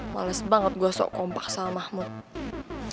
males banget gue sok kompak sama mahmud